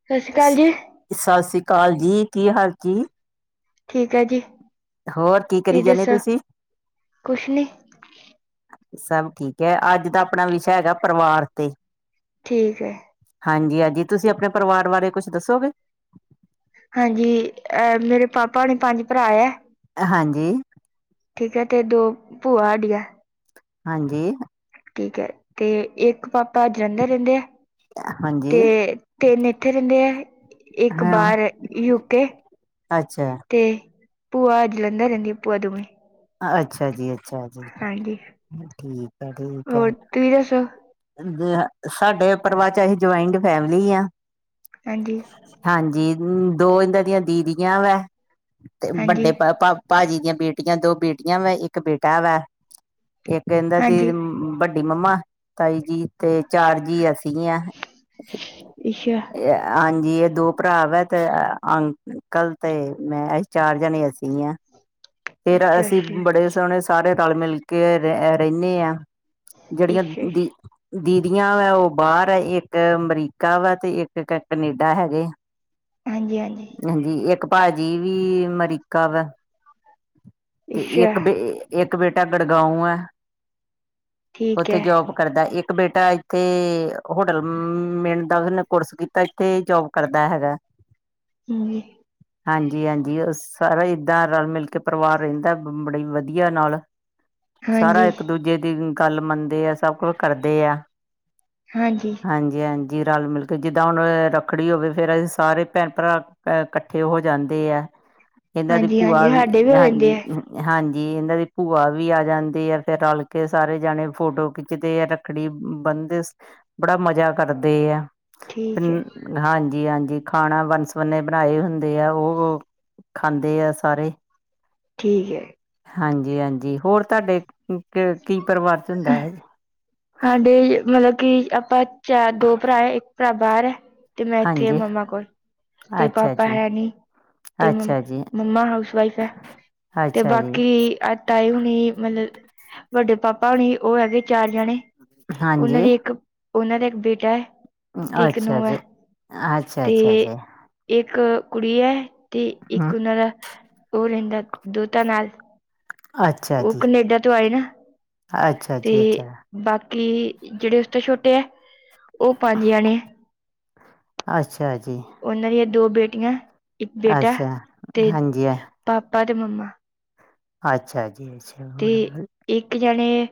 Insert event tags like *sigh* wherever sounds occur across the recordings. ਸਤਿ ਸ਼੍ਰੀ ਅਕਾਲ ਜੀ। ਸਤਿ ਸ੍ਰੀ ਅਕਾਲ ਜੀ, ਕੀ ਹਾਲ ਜੀ। ਠੀਕ ਐ ਜੀ। ਹੋਰ ਕੀ ਕਰੀ ਤੁਸੀਂ ਜਾਂਣੇ ਦੱਸੋ ਤੁਸੀਂ? ਕੁਛ ਨੀ ਸਭ ਠੀਕ ਐ, ਅੱਜ ਦਾ ਆਪਣਾ ਵਿਸ਼ਾ ਹੈਗਾ ਪਰਿਵਾਰ ਤੇ ਠੀਕ ਐ। ਹਾਂਜੀ ਅਜੀ ਤੁਸੀਂ ਆਪਣੇ ਪਰਿਵਾਰ ਬਾਰੇ ਕੁਛ ਦੱਸੋਗੇ। ਹਾਂਜੀ ਅਹ ਮੇਰੇ ਪਾਪਾ ਹੁਣੀ ਪੰਜ ਭਰਾ ਐ। ਹਾਂਜੀ। ਠੀਕ ਹੈ ਤੇ ਦੋ ਭੂਆ ਹਾਡੀਆਂ ਹਾਂਜੀ ਠੀਕ ਐ ਤੇ ਇੱਕ ਪਾਪਾ ਜਲੰਧਰ ਰਹਿੰਦੇ ਆ, ਹਾਂਜੀ ਤੇ ਤਿੰਨ ਇੱਥੇ ਰਹਿੰਦੇ ਆ। ਇੱਕ ਹਾਂ ਬਾਰ ਏ ਯੂਕੇ, ਅੱਛਾ ਤੇ ਭੂਆ ਜਲੰਧਰ ਰਹਿੰਦੀ ਆ ਭੂਆ ਦੋਵੇਂ। ਅੱਛਾ ਜੀ ਅੱਛਾ ਜੀ, ਹਾਂਜੀ ਠੀਕ ਐ ਠੀਕ ਐ। ਹੋਰ ਤੁਸੀਂ ਦੱਸੋ ਸਾਡੇ ਪਰਵਾਾਰ 'ਚ ਅਸੀਂ ਜੁਆਇੰਟ ਫੈਮਿਲੀ ਆ। ਹਾਂਜੀ ਹਾਂਜੀ ਦੋ ਇਹਨਾਂ ਦੀਆਂ ਦੀਦੀਆਂ ਵਾ, ਤੇ ਹਾਂਜੀ ਵੱਡੇ *unintelligible* ਭਾਜੀ ਦੀਆਂ ਬੇਟੀਆਂ ਦੋ ਬੇਟੀਆਂ ਵਾ ਇੱਕ ਬੇਟਾ ਵਾ, ਇੱਕ ਕਹਿੰਦਾ ਦੀ ਹਾਂਜੀ ਬਟ ਵੱਡੀ ਮੰਮਾ, ਤਾਈ ਜੀ ਤੇ ਚਾਰ ਜੀ ਅਸੀਂ ਆ। ਅੱਛਾ ਹਾਂਜੀ ਇਹ ਦੋ ਭਰਾ ਵਾ ਤੇ ਅੰਕ ਅੰਕਲ ਤੇ ਮੈਂ ਅਸੀਂ ਚਾਰ ਜਣੇ ਅਸੀਂ ਆ। ਫੇਰ ਅੱਛਾ ਅਸੀਂ ਅੱਛਾ ਬੜੇ ਸੋਹਣੇ ਸਾਰੇ ਰਲ-ਮਿਲ ਕੇ ਰ ਰਹਿੰਨੇ ਆ। ਜਿਹੜੀਆਂ ਦ ਅੱਛਾ ਅੱਛਾ ਦੀ ਦੀਦੀਆਂ ਵਾ ਉਹ ਬਾਹਰ ਆ ਇੱਕ ਅਮਰੀਕਾ ਵਾ ਤੇ ਇੱਕ ਕ ਕਨੇਡਾ ਹੈਗੇ। *inaudible* ਹਾਂਜੀ-ਹਾਂਜੀ। ਹਾਂਜੀ ਇੱਕ ਭਾਜੀ ਵੀ ਅਮਰੀਕਾ ਵਾ। ਤੇ ਅੱਛਾ ਇੱਕ ਬੇ ਇੱਕ ਬੇਟਾ ਗੜਗਾਉ ਆ, ਠੀਕ ਉਥੇ ਹੈ ਜੋਬ ਕਰਦਾ ਇੱਕ ਬੇਟਾ ਇੱਥੇ ਹੋਟਲ ਮ ਮਿਲਣ ਦਾ ਉਸਨੇ ਕੋਰਸ ਕੀਤਾ ਇੱਥੇ ਜੋਬ ਕਰਦਾ ਹੈਗਾ। *inaudible* ਹਾਂਜੀ। ਹਾਂਜੀ-ਹਾਂਜੀ ਉਹ ਸਾਰਾ ਹੀ ਇਦਾਂ ਰਲ-ਮਿਲ ਪਰਿਵਾਰ ਰਹਿੰਦਾ ਬ ਬੜੀ ਵਧੀਆ ਨਾਲ, ਸਾਰਾ ਹਾਂਜੀ ਇੱਕ-ਦੂਜੇ ਦੀ ਗੱਲ ਮੰਨਦੇ ਆ ਸਭ ਕੁਛ ਕਰਦੇ ਆ। ਹਾਂਜੀ। ਹਾਂਜੀ-ਹਾਂਜੀ ਰਲ-ਮਿਲ ਕੇ ਜਿੱਦਾਂ ਹੁਣ ਰੱਖੜੀ ਹੋਵੇ ਫਿਰ ਅਸੀਂ ਸਾਰੇ ਭੈਣ-ਭਰਾ ਅ ਕੱਠੇ ਹੋ ਜਾਂਦੇ ਆ, ਇਹਨਾਂ ਦੀ ਹਾਂਜੀ ਭੂਆ ਹਾਂਜੀ ਵੀ ਸਾਡੇ ਹੋ ਜਾਂਦੇ ਹਾਂਜੀ ਹੈ ਹਾਂਜੀ ਇਹਨਾਂ ਦੀ ਭੂਆ ਵੀ ਆ ਜਾਂਦੀ ਆ ਫ਼ਿਰ ਰਲ ਕੇ ਸਾਰੇ ਜਾਣੇ ਫੋਟੋ ਖਿੱਚਦੇ ਆ ਰੱਖ- ਰੱਖੜੀ ਬੰਨਦੇ, ਬੜਾ ਮਜ਼ਾ ਕਰਦੇ ਆ। ਠੀਕ ਹੈ *unintelligible* ਹਾਂਜੀ-ਹਾਂਜੀ ਖਾਣਾ ਬੰਨ-ਸਵੰਨੇ ਬਣਾਏ ਹੁੰਦੇ ਆ ਉਹ ਖਾਂਦੇ ਆ ਸਾਰੇ। ਠੀਕ ਐ। ਹਾਂਜੀ-ਹਾਂਜੀ, ਹੋਰ ਤੁਹਾਡੇ ਕੀ ਪਰਿਵਾਰ 'ਚ ਹੁੰਦਾ? ਸਾਡੇ ਮਤਲਬ ਕਿ ਆਪਾਂ ਚਾਰ ਦੋ ਭਰਾ ਹੈ ਇੱਕ ਭਰਾ ਬਾਹਰ ਐ। ਤੇ ਮੈਂ ਇੱਥੇ ਆ ਹਾਂਜੀ ਮੰਮਾ ਕੋਲ, ਤੇ ਅੱਛਾ ਪਾਪਾ ਜੀ, ਹੈ ਨੀ। ਤੇ ਮ, ਅੱਛਾ ਜੀ, ਮੰਮਾ ਹਾਊਸ ਵਾਈਫ ਐ, ਤੇ ਅੱਛਾ ਜੀ, ਬਾਕੀ ਅ ਤਾਏ ਹੋਣੀ ਮਤਲਬ, ਵੱਡੇ ਪਾਪਾ ਹੋਣੀ ਉਹ ਹੈਗੇ ਚਾਰ ਜਾਣੇ। ਉਹਨਾਂ ਹਾਂਜੀ ਦੀ ਇੱਕ, ਉਹਨਾਂ ਦਾ ਇੱਕ ਬੇਟਾ ਏ। ਅੱਛਾ ਜੀ, ਅੱਛਾ ਤੇ ਅੱਛਾ ਅੱਛਾ। ਇੱਕ ਕੁੜੀ ਐ ਤੇ ਹੂੰ, ਇੱਕ ਉਹਨਾਂ ਦਾ ਉਹ ਰਹਿੰਦਾ ਦੋਤਾ ਨਾਲ। ਅੱਛਾ ਉਹ ਜੀ, ਕਨੇਡਾ ਤੋਂ ਆਏ ਨਾ, ਅੱਛਾ ਤੇ ਜੀ, ਅੱਛਾ। ਬਾਕੀ, ਜਿਹੜੇ ਉਸ ਤੋਂ ਛੋਟੇ ਐ, ਉਹ ਪੰਜ ਜਾਣੇ। ਅੱਛਾ ਜੀ। ਓਨਾਂ ਦੀਆਂ ਦੋ ਬੇਟੀਆਂ ਏ ਇੱਕ ਬੇਟਾ ਅੱਛਾ ਤੇ ਹਾਂਜੀ ਪਾਪਾ ਤੇ ਮੰਮਾ ਅੱਛਾ ਜੀ ਅੱਛਾ ਤੇ ਇੱਕ ਜਣੇ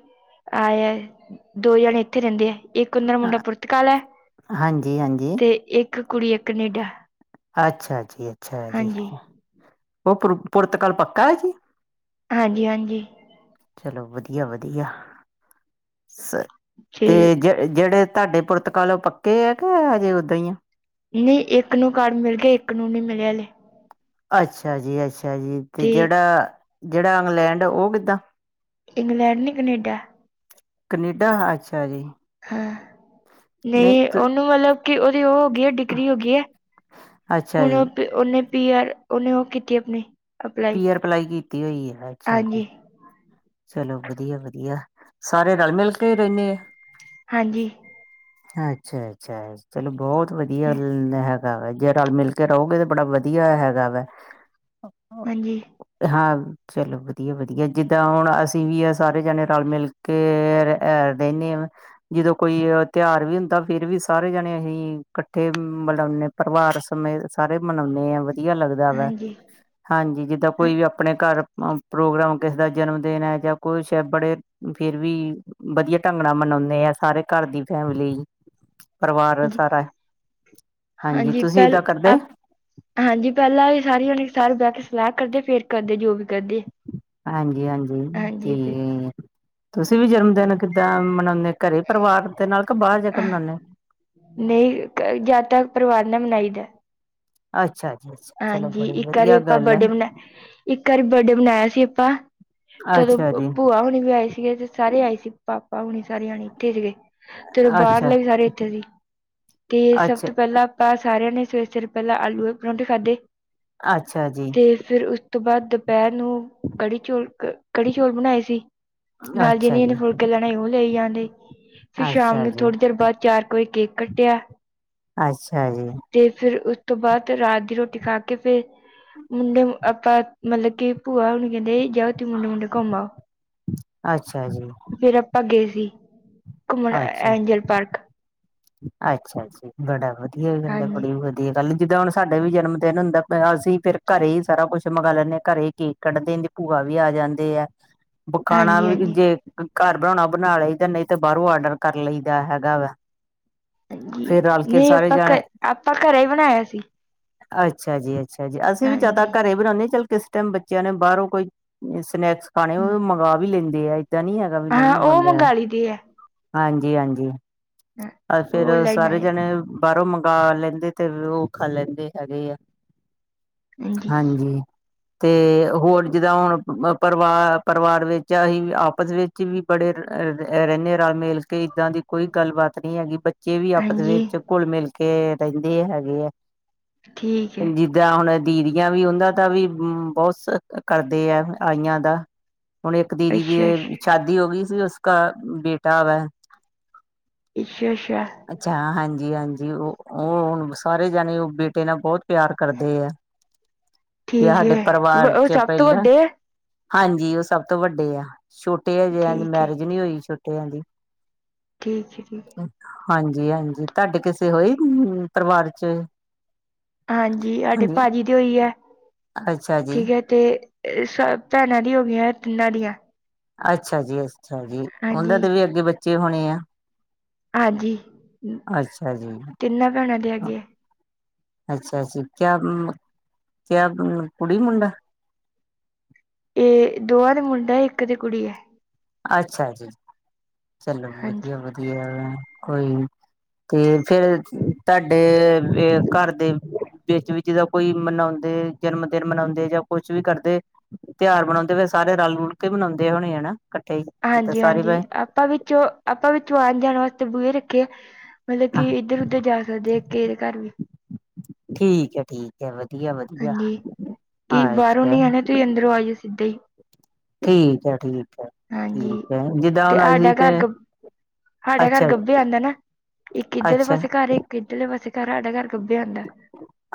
ਆਏਆ ਦੋ ਜਣੇ ਏਥੇ ਰੈਂਦੇ ਐ। ਇੱਕ ਉਨਾਂ ਦਾ ਮੁੰਡਾ ਪੁਰਤਕਾਲ ਐ ਹਾਂਜੀ-ਹਾਂਜੀ ਤੇ ਇੱਕ ਕੁੜੀ ਐ ਕਨੇਡਾ ਅੱਛਾ ਜੀ, ਅੱਛਾ ਜੀ ਓ ਪੁਰ ਪੁਰਤਕਾਲ ਪੱਕਾ ਐ ਜੀ? ਹਾਂਜੀ, ਹਾਂਜੀ। ਚਲੋ ਵਧੀਆ, ਵਧੀਆ ਸ ਤੇ ਜ ਜੇੜੇ ਤਾਡੇ ਪੁਰਤਕਾਲ ਓ ਪੱਕੇ ਹੈ ਕਿ ਓ ਹਜੇ ਓਦਾਂ ਈ ਆ ਨਈ ਇੱਕ ਨੂੰ ਕਾਰਡ ਮਿਲ ਗਿਆ, ਇੱਕ ਨੂੰ ਨਈ ਮਿਲਿਆ ਹਲੇ ਅੱਛਾ ਜੀ, ਅੱਛਾ ਜੀ ਤੇ ਜਿੜਾ ਜਿੜਾ ਇੰਗਲੈਂਡ ਓ ਕਿੱਦਾਂ ਇੰਗਲੈਂਡ ਨੀ ਕਨੇਡਾ। ਕਨੇਡਾ, ਅੱਛਾ ਜੀ। ਹਾਂ, ਨਹੀਂ ਨਈ ਤੁ ਓਨੂੰ ਮਲਬ ਕਿ ਓਦੀ ਓ ਹੋ ਗਈ ਐ ਡਿਗਰੀ ਹੋ ਗਈ ਐ ਅੱਛਾ ਜ। ਤੇ ਓਨੇ ਪੀ ਆਰ, ਓਨੇ ਓ ਕੀਤੀ ਐ ਆਪਣੀ ਪੀ ਅਰ ਅਪਲਾਈ ਕੀਤੀ ਹੋਈ ਆ ਅੱਛਾ ਜੀ। ਹਾਂਜੀ ਚਲੋ ਵਧੀਆ, ਵਧੀਆ ਸਾਰੇ ਰਲ ਮਿਲ ਕੇ ਰੈਨੇ ਆ ਹਾਂਜੀ। ਅੱਛਾ, ਅੱਛਾ ਚਲੋ ਬਹੁਤ ਵਧੀਆ *unintelligible* ਗਾ ਵਾ ਜੇ ਰਲ ਮਿਲ ਕੇ ਰਓਗੇ ਤੇ ਬੜਾ ਵਧੀਆ ਹੈਗਾ ਵੈ ਹਾਂਜੀ। ਹਾਂ। ਚਲੋ ਵਧੀਆ, ਵਧੀਆ ਜਿੱਦਾਂ ਹੁਣ ਅਸੀਂ ਵੀ ਆ ਸਾਰੇ ਜਾਣੇ ਰਲ ਮਿਲ ਕੇ ਐ ਰ ਦੇਨੇ ਆ ਜਿਦੋ ਕੋਈ ਅ ਤਿਉਹਾਰ ਵੀ ਹੁੰਦਾ ਫੇਰ ਵੀ ਸਾਰੇ ਜਾਣੇ ਅਹੀਂ ਕੱਠੇ ਮਨਾਉਂਨੇ ਪਰਿਵਾਰ ਸਮੇਂਤ ਸਾਰੇ ਮਨਾਉਂਨੇ ਆਂ ਵਧੀਆ ਲੱਗਦਾ ਵੈ ਹਾਂਜੀ ਹਾਂਜੀ ਜਿੱਦਾਂ ਕੋਈ ਵੀ ਆਪਣੇ ਘਰ ਪ੍ਰੋਗਰਾਮ ਕਿਸੇ ਦਾ ਜਨਮ ਦਿਨ ਐ ਜਾਂ ਕੁੱਛ ਐ ਬੜੇ ਫਿਰ ਵੀ ਬਧੀਆ ਢੰਗ ਨਾਲ ਮਨਾਉਂਨੇ ਆ ਸਾਰੇ ਘਰ ਦੀ ਫੈਮਲੀ ਪਰਿਵਾਰ ਆ ਹਾਂਜੀ ਸਾਰਾ ਹਾਂਜੀ ਤੁਸੀਂ ਪਹਿਲ ਏਦਾਂ ਕਰਦੇ? ਆਪ ਹਾਂਜੀ ਪੈਲਾਂ ਸਾਰੀ ਉਣੀ ਸਾਰੇ ਬਹਿ ਕੇ ਸਲਾਹ ਕਰਦੇ ਫੇਰ ਕਰਦੇ ਜੋ ਵੀ ਕਰਦੇ। ਹਾਂਜੀ, ਹਾਂਜੀ ਠੀ ਹਾਂਜੀ ਫਿਰ ਗਈ ਏ ਤੁਸੀਂ ਵੀ ਜਨਮਦਿਨ ਕਿੱਦਾਂ ਮਨਾਉਂਨੇ ਘਰੇ ਪਰਿਵਾਰ ਦੇ ਨਾਲ ਕੇ ਬਾਅਰ ਜਾ ਕੇ ਮਨਾਉਂਨੇ ਓ? ਨਈ ਜਦ ਤੱਕ ਪਰਿਵਾਰ ਨਾ ਮਨਾਈ ਦਾ ਅੱਛਾ ਜੀ ਅੱਛਾ ਚਲੋ ਹਾਂਜੀ, ਬੜੀ ਇੱਕ ਆਰੀ ਵਧੀਆ ਆਪਾਂ ਗੱਲ ਹੈ ਬਰਡੇ ਬਣਾ ਇੱਕ ਆਰੀ ਬਰਡੇ ਬਣਾਇਆ ਸੀ ਆਪਾਂ। ਤਦੋਂ ਅੱਛਾ ਜੀ ਭੂਆ ਹੁਣੀ ਵੀ ਆਏ ਸੀਗੇ ਤੇ ਸਾਰੇ ਆਏ ਸੀ ਪਾਪਾ ਹੁਣੀ ਸਾਰੇ ਆਣੀ ਇੱਥੇ ਗਏ ਤੇਦੋਂ ਅੱਛਾ ਬਾਹਰਲੇ ਵੀ ਸਾਰੇ ਇੱਥੇ ਸੀ ਤੇ ਸਭ ਅੱਛਾ ਤੋਂ ਪੈਲਾਂ ਆਪਾਂ ਸਾਰਿਆਂ ਨੇ ਸਵੇਰੇ, ਸਵੇਰੇ ਪੈਲਾਂ ਆਲੂ ਆਲੇ ਪਰੋਂਠੇ ਖਾਧੇ ਅੱਛਾ ਜੀ। ਤੇ ਫਿਰ ਉਸ ਤੋਂ ਬਾਅਦ ਦੁਪਹਿਰ ਨੂੰ ਕੜੀ ਚੋਲ, ਕੜੀ ਚੋਲ ਬਣਾਏ ਸੀ ਨਾਲ ਅੱਛਾ ਜਿਨੇ ਜਨੇ ਜੀ ਫੁਲਕੇ ਲੈਣੇ ਓ ਲਈ ਜਾਣਡੇ ਫਿਰ ਸ਼ਾਮ ਅੱਛਾ ਨੂੰ ਜੀ ਥੋੜ੍ਹੀ ਦੇਰ ਬਾਅਦ ਚਾਰ ਕੋਈ ਕੇਕ ਕੱਟਿਆ ਅੱਛਾ ਜੀ। ਤੇ ਫਿਰ ਉਸ ਤੋਂ ਬਾਅਦ ਤੇ ਰਾਤ ਦੀ ਰੋਟੀ ਖਾ ਕੇ ਫਿਰ ਮੁੰਡੇ ਆਪਾਂ ਮਲਬ ਕਿ ਭੂਆ ਹੁਣ ਕੈਂਦੇ ਜਾਂ ਤੇ ਮੁੰਡੇ ਮੁੰਡੇ ਘੁੰਮ ਆਓ ਅੱਛਾ ਜੀ ਫੇਰ ਆਪਾਂ ਗਏ ਸੀ। ਘੁੰਮਣ ਐਂਗਿਲ ਪਾਰਕ ਅੱਛਾੱ, ਅੱਛਾ ਜੀ ਵਧੀਆ ਗੱਲ ਹਾਂਜੀ ਬੜੀ ਵੀਆ ਵਧੀਆ ਗੱਲ, ਜਿੱਦਾਂ ਹੁਣ ਸਾਡਾ ਵੀ ਜਨਮ ਦਿਨ ਹੁੰਦਾ, ਅਸੀਂ ਫਿਰ ਘਰੇ ਹੀ ਸਾਰਾ ਕੁਛ ਮੰਗਵਾ ਲੈਂਨੇ ਆਂ, ਘਰੇ ਹੀ ਕੇਕ ਕੱਟਦੇ ਨੇ, ਜੇ ਭੂਆ ਵੀ ਆ ਜਾਂਦੀ ਐ - ਔ ਖਾਣਾ ਹਾਂਜੀ ਵੀ ਹਾਂਜੀ ਜੇ ਘਰ ਬਣਾਉਣਾ ਔ ਬਣਾ ਲਈਦਾ। ਨਹੀਂ ਤੇ ਬਾਹਰੋਂ ਆਰਡਰ ਕਰ ਲਈਦਾ ਹੈਗਾ ਵਾ ਹਾਂਜੀ, ਫੇਰ ਰਲ ਕੇ ਨਹੀਂ ਸਾਰੇ ਆਪਾਂ ਜਾਣੇ ਘ ਆਪਾਂ ਘਰੇ ਹੀ ਬਣਾਇਆ ਸੀ ਅੱਛਾ ਜੀ, ਅੱਛਾ ਜੀ ਅਸੀਂ ਵੀ ਜਿਆ ਤਾਂ ਹਾਂਜੀ ਘਰੇ ਈ ਬਣਾਉਦੇ ਹਾਂ, ਚੱਲ ਕਿਸ ਟਾਈਮ ਬੱਚਿਆਂ ਨੇ ਬਾਹਰੋਂ ਕੋਈ ਜੇ ਸਨੈਕਸ ਖਾਣੇ ਉਹ ਮੰਗਵਾ ਵੀ ਲੈਂਦੇ ਆ ਏਦਾਂ ਨਹੀਂ ਹੈਗਾ ਵੀ ਨਹੀਂ ਹਾਂ ਉਹ ਮੰਗਵਾਉਂਦੇ ਮੰਗਾ ਲਈ ਦੀ ਹੈ ਹਾਂਜੀ, ਹਾਂਜੀ, ਉਹ ਫੇਰ ਲੈਣ ਸਾਰੇ ਆਏ ਜਾਣੇ ਬਾਹਰੋਂ ਮੰਗਵਾ ਲੈਂਦੇ ਤੇ ਉਹ ਖਾ ਲੈਂਦੇ ਹੈਗੇ ਆ ਹਾਂਜੀ ਤੇ ਹੋਰ ਜਿੱਦਾਂ ਹੁਣ ਪਰਿਵਾਰ ਪਰਿਵਾਰ ਵਿੱਚ ਅਸੀਂ ਆਪਸ ਵਿੱਚ ਵੀ ਬੜੇ ਰਹਿੰਦੇ ਹਾਂ ਰਲ ਮਿਲ ਕੇ ਇੱਦਾਂ ਦੀ ਕੋਈ ਗੱਲਬਾਤ ਨੀ ਹੈਗੀ ਬੱਚੇ ਵੀ ਆਪਸ ਹਾਂਜੀ ਵਿੱਚ ਘੁਲ ਮਿਲ ਕੇ ਰਹਿੰਦੇ ਹੈਗੇ ਹੈ ਠੀਕ ਹੈ। ਜਾਂ ਹੁਣ ਦੀਦੀਆਂ ਵੀ ਉਹਨਾਂ ਦਾ ਵੀ ਬਹੁਤ ਕਰਦੇ ਆ ਆਈਆਂ ਦਾ ਹੁਣ ਇੱਕ ਦੀਦੀ ਅੱਛਾ ਅੱਛਾ ਦੀ ਸ਼ਾਦੀ ਹੋ ਗਈ ਸੀ ਉਸਕਾ ਬੇਟਾ ਆ ਵ ਅੱਛਾ, ਅੱਛਾ। ਅੱਛਾ ਹਾਂਜੀ, ਹਾਂਜੀ ਉਹ ਉਹ ਹੁਣ ਸਾਰੇ ਜਾਣੇ ਉਹ ਬੇਟੇ ਨਾਲ ਬਹੁਤ ਪਿਆਰ ਕਰਦੇ ਆ, ਜਾਂ ਠੀਕ ਸਾਡੇ ਹੈ ਪਰਿਵਾਰ ਉਹ ਚ ਸਭ ਤੋਂ ਪਹਿਲਾਂ ਵੱਡੇ ਹੈ ਹਾਂਜੀ ਉਹ ਸਭ ਤੋਂ ਵੱਡੇ ਆ ਛੋਟੇ ਹਜੇ ਠੀਕ ਹੈ ਮੈਰਿਜ ਨਹੀ ਹੋਈ ਛੋਟੇ ਦੀ ਠੀਕ ਜੀ ਹਾਂਜੀ ਹਾਂਜੀ ਤੁਹਾਡੇ ਕਿਸੇ ਹੋਈ ਪਰਿਵਾਰ ਵਿੱਚ ਹਾਂਜੀ ਸਾਡੇ ਭਾਜੀ ਦੇ ਹੋਈ ਹੈ ਅੱਛਾ ਜੀ ਠੀਕ ਹੈ ਤੇ ਸੱਤ ਭੈਣਾਂ ਦੀ ਹੋ ਗਈ ਐ, ਤਿੰਨਾਂ ਦੀ ਐ ਅੱਛਾ ਜੀ ਅੱਛਾ ਜੀ ਹਾਂਜੀ ਉਹਨਾਂ ਦੇ ਵੀ ਅੱਗੇ ਬੱਚੇ ਹੋਣੇ ਐ ਹਾਂਜੀ ਜੀ ਤਿੰਨਾਂ ਭੈਣਾਂ ਦੇ ਹੈਗੇ ਐ ਅੱਛਾ ਜੀ ਕਿਆ ਕੁੜੀ ਮੁੰਡਾ ਇਹ ਦੋਵਾਂ ਦੇ ਮੁੰਡਾ, ਇੱਕ ਦੇ ਕੁੜੀ ਹੈ ਅੱਛਾ ਜੀ ਚਲੋ ਹਾਂਜੀ ਵਧੀਆ ਵਧੀਆ ਵੇ, ਕੋਈ ਨੀ, ਤੇ ਫਿਰ ਤੁਹਾਡੇ ਏ ਘਰ ਵਿੱਚ ਵਿੱਚ ਜਦੋ ਕੋਈ ਮਨਾਉਂਦੇ ਜਨਮਦਿਨ ਮਨਾਉਂਦੇ ਜਾਂ ਕੁੱਛ ਵੀ ਕਰਦੇ ਤਿਉਹਾਰ ਮਨਾਉਂਦੇ ਫੇਰ ਸਾਰੇ ਰਲ ਰੁਲ ਕੇ ਮਨਾਉਂਦੇ ਹੋਣੇ ਆ, ਹੈਨਾ ਇਕੱਠੇ ਹੀ ਜਿੱਦਾਂ ਹਾਂਜੀ ਸਾਰੇ ਪ ਹਾਂਜੀ ਆਪਾਂ ਵਿੱਚੋਂ ਆਪਾਂ ਵਿੱਚੋਂ ਆਉਣ ਜਾਣ ਵਾਸਤੇ ਬੂਹੇ ਰੱਖੇ ਮਤਲਬ ਹਾਂ ਕਿ ਇੱਧਰ ਉੱਧਰ ਜਾ ਸਕਦੇ ਕਿਹੜੇ ਘਰ ਵੀ ਠੀਕ ਹੈ ਠੀਕ ਹੈ ਵਧੀਆ ਵਧੀਆ, ਅੱਛਾ ਬੀ ਅਦਰੋ ਆ ਜਾਓ ਸਿੱਧੇ ਈ ਠੀਕ ਹੈ ਠੀਕ ਹੈ ਹਾਂਜੀ ਠੀਕ ਹੈ ਜਿੱਦਾਂ ਹੁਣ ਆਏ ਸੀ ਤੇ ਸਾਡੇ ਘਰ ਅੱਛਾ ਗੱਭੇ ਆਉਂਦਾ ਨਾ, ਇੱਕ ਇੱਧਰ ਦੇ ਅੱਛਾ ਪਾਸੇ ਘਰ ਐ ਇੱਧਰਲੇ ਪਾਸੇ ਘਰ, ਸਾਡਾ ਘਰ ਗੱਬੇ ਆਉਂਦਾ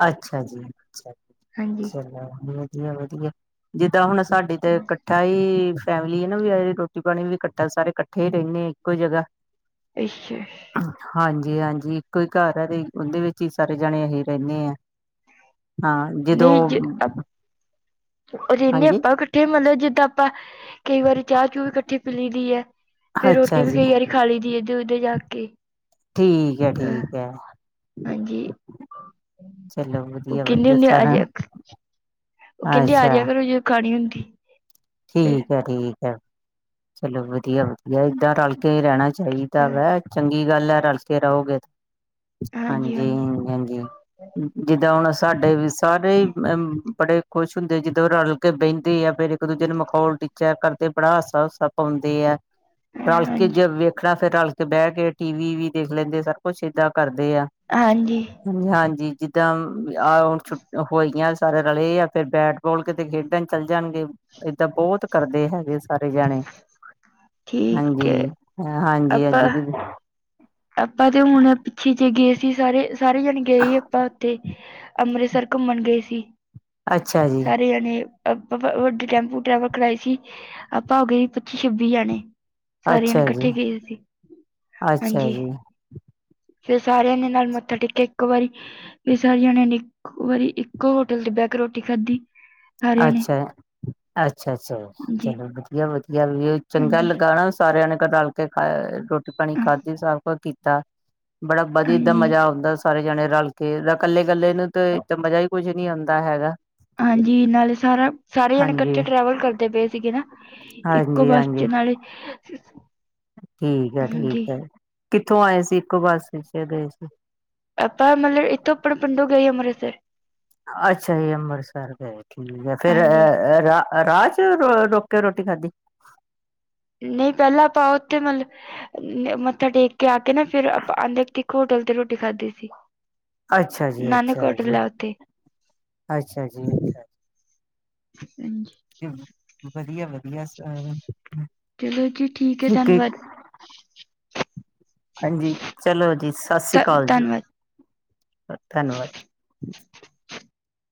ਅੱਛਾ ਜੀ ਚੰਗਾ ਹਾਂਜੀ ਚਲੋ ਵਧੀਆ ਵਧੀਆ ਜਿੱਦਾਂ ਹੁਣ ਸਾਡੇ ਤੇ ਇਕੱਠੇ ਅੱਛਾ ਇਕ ਫੈਮਿਲੀ ਹੈ ਨਾ, ਵੀ ਹਜੇ ਰੋਟੀ ਪਾਣੀ ਵੀ ਇਕੱਠੇ ਸਾਰੇ ਇਕੱਠੇ ਹੀ ਰਹਿੰਦੇ ਇੱਕੋ ਜਗ੍ਹਾ ਅੱਛਾ ਹਾਂਜੀ ਹਾਂਜੀ ਇੱਕੋ ਹੀ ਘਰ ਹੈ, ਤੇ ਉਹਦੇ ਵਿੱਚ ਹੀ ਸਾਰੇ ਜਾਣੇ ਅਸੀ ਰਹਿੰਨੇ ਆ ਨਹੀਂ ਜੇ, ਉਹ ਜਿੰਨੇ ਹਾਂਜੀ ਆਪਾਂ। ਇਕੱਠੇ ਮਤਲਬ ਜਿੱਦਾਂ ਆਪਾਂ, ਕਈ ਵਾਰੀ ਚਾਹ ਚੂ ਵੀ ਇਕੱਠੀ ਪਿਲੀ ਦੀ ਹੈ, ਫਿਰ ਰੋਟੀ ਅੱਛਾ ਵੀ ਜੀ ਕਈ ਵਾਰੀ। ਖਾਲੀ ਦੀ ਇੱਧਰ ਉਧਰ ਜਾ ਕੇ। ਠੀਕ ਹੈ ਅਹ ਠੀਕ ਹੈ। ਹਾਂਜੀ ਚੱਲੂ ਉਹ ਵਧੀਆ ਕਹਿੰਦੇ ਵਧੀਆ ਹੁੰਦੇ ਆ ਸਾਰਾ। ਜਾ ਉਹ ਕਹਿੰਦੇ ਆਜੀਆ ਅੱਛਾ ਕਰੋ ਜਦੋ ਖਾਣੀ ਹੁੰਦੀ। ਫਿਰ ਠੀਕ ਹੈ, ਠੀਕ ਹੈ। ਚਲੋ ਵਧੀਆ, ਵਧੀਆ! ਇੱਦਾਂ ਰਲ ਕੇ ਹੀ ਰਹਿਣਾ ਚਾਹੀਦਾ ਹੈ। ਡਰ ਅਹ ਹੈ, ਚੰਗੀ ਗੱਲ ਹੈ ਰਲ ਕੇ ਰਹੋਗੇ। ਹਾਂਜੀ, ਹਾਂਜੀ ਜਿੱਦਾਂ ਹੁਣ ਸਾਡੇ ਵੀ ਸਾਰੇ ਮੇਂਬਰ। ਬੜੇ ਖੁਸ਼ ਹੁੰਦੇ ਆ, ਜਦੋਂ ਰਲ ਕੇ ਬਹਿੰਦੇ ਆ ਫਿਰ ਇੱਕ ਦੂਜੇ ਨੂੰ ਮਖੌਲ ਕਰਦੇ ਨੇ। ਮਿਲਕੇ ਬੜਾ ਹਾਸਾ ਹੂਸਾ ਪਾਉਂਦੇ ਆ। ਰਲ ਕੇ ਹਾਂਜੀ ਜੇ ਵੇਖਣਾ ਫਿਰ ਰਲ ਕੇ! ਬਹਿ ਕੇ ਟੀ-ਵੀ ਵੀ ਦੇਖ ਲੈਂਦੇ ਆ ਸਾਰਾ ਕੁੱਛ ਇਦਾ ਕਰਦੇ ਆ। ਹਾਂਜੀ। ਹਾਂਜੀ ਹਾਂਜੀ ਜਿੱਦਾਂ ਆ ਹੁਣ ਛੁੱਟੀਆ ਹੋਈਆਂ। ਸਾਰੇ ਰਲੇ ਆ ਫੇਰ ਬੈਟ-ਬਾਲ ਕਿਤੇ ਖੇਡਣ ਚੱਲ ਜਾਣਗੇ। ਇੱਦਾ ਬਹੁਤ! ਕਰਦੇ ਹੈਗੇ ਸਾਰੇ ਜਣੇ ਠੀਕ ਹੈ ਹਾਂਜੀ, ਹਾਂਜੀ, ਹਾਂਜੀ ਆਪਾਂ ਦੀਦੀ। ਆਪਾਂ ਤੇ ਹੁਣ ਪਿੱਛੇ ਜ ਗਏ ਸੀ। ਸਾਰੇ ਜਾਣੇ ਗਏ ਸੀ। ਆਪਾਂ ਉੱਥੇ ਅੰਮ੍ਰਿਤਸਰ। ਘੁੰਮਣ ਗਏ ਸੀ ਅੱਛਾ ਜੀ, ਸਾਰੇ ਜਾਣੇ। ਆਪਾਂ ਵੱਡੀ ਟੈਂਪੂ ਟਰੈਵਲ ਕਰਵਾਈ ਸੀ। ਆਪਾਂ ਹੋ ਗਏ ਸੀ ਪੱਚੀ ਛੱਬੀ ਜਣੇ। ਸਾਰੀਆਂ ਜਾਣੇ ਅੱਛਾ ਜੀ, ਇਕੱਠੇ ਗਏ ਸੀ। ਅੱਛਾ ਹਾਂਜੀ ਜੀ, ਫਿਰ ਸਾਰਿਆਂ ਦੇ ਨਾਲ ਮੱਥਾ ਟੇਕਿਆ। ਇੱਕ ਵਾਰੀ! ਫਿਰ ਸਾਰੀ ਜਣਿਆਂ ਨੇ! ਇੱਕ ਵਾਰੀ ਇੱਕੋ ਹੋਟਲ ਤੇ ਬਹਿ ਕੇ ਰੋਟੀ ਖਾਧੀ। ਸਾਰਿਆਂ ਨੇ ਅੱਛਾ! ਅੱਛਾ! ਹਾਂਜੀ ਚਲੋ ਵਧੀਆ! ਵਧੀਆ ਵੀ ਚੰਗਾ ਹਾਂਜੀ ਲਗਾ। ਸਾਰਿਆਂ ਨੇ ਰਲ ਕੇ ਰੋਟੀ ਪਾਣੀ ਖਾਧੀ। ਸਭ ਕੁਛ ਕੀਤਾ। ਬੜਾ ਵਧੀਆ ਇਦਾ ਹਾਂਜੀ ਮਜ਼ਾ ਆਉਂਦਾ ਸੀ। ਸਾਰੇ ਜਾਣੇ ਰਲ ਕੇ ਤਾਂ ਇਕੱਲੇ ਕੱਲੇ ਨੂੰ ਤੇ ਮਜ਼ਾ ਹੀ ਕੁਝ ਨੀ ਆਉਂਦਾ ਹੈਗਾ। ਹਾਂਜੀ ਨਾਲੇ ਸਾਰਾ। ਸਾਰੇ ਜਣੇ ਹਾਂਜੀ ਇਕੱਠੇ ਟ੍ਰੈਵਲ ਕਰਦੇ ਪਏ ਸੀਗੇ, ਨਾ ਇੱਕੋ ਬੱਸ ਚ ਹਾਂਜੀ-ਹਾਂਜੀ ਨਾਲੇ। ਠੀਕ ਹੈ ਠੀਕ ਹਾਂਜੀ ਹੈ ਕਿੱਥੋਂ ਆਏ ਸੀ ਇੱਕੋ ਬੱਸ ਚ ਗਏ ਸੀ। ਆਪਾਂ ਮਤਲਬ ਇੱਥੋਂ ਆਪਾਂ ਪਿੰਡੋਂ ਗਏ ਅੰਮ੍ਰਿਤਸਰ। ਅੱਛਾ ਜੀ ਅੰਮ੍ਰਿਤਸਰ ਗਏ ਠੀਕ ਹੈ ਫਿਰ। ਹਾਂਜੀ ਫ ਰਾਹ ਚ ਰ ਰੋਕ ਕੇ ਰੋਟੀ ਖਾਧੀ। ਨਹੀਂ ਪਹਿਲਾਂ ਆਪਾਂ ਉੱਥੇ ਮਤਲਬ ਮੱਥਾ ਟੇਕ ਕੇ ਆ ਕੇ ਨਾ ਫਿਰ ਆਪਾਂ ਆਉਂਦੇ। ਹੋਟਲ ਤੇ ਰੋਟੀ ਖਾਧੀ ਸੀ। ਅੱਛਾ ਜੀ! ਨਾਨਕ ਅੱਛਾ ਜੀ! ਹੋਟਲ ਆ ਉੱਥੇ ਅੱਛਾ ਜੀ! ਅੱਛਾ! ਹਾਂਜੀ ਵਧੀਆ ਵਧੀਆ ਅ ਚਲੋ ਜੀ ਠੀਕ ਹੈ ਧੰਨਵਾਦ ਹਾਂਜੀ ਚਲੋ ਜੀ ਸਤਿ ਸ਼੍ਰੀ ਅਕਾਲ ਜੀ ਧੰਨਵਾਦ ਧੰਨਵਾਦ